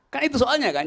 kan itu soalnya kan